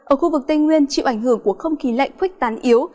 ở khu vực tây nguyên chịu ảnh hưởng của không khí lạnh khuếch tán yếu